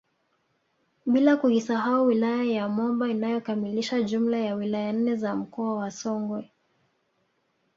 Bila kuisahau wilaya ya Momba inayokamilisha jumla ya wilaya nne za mkoa wa Songwe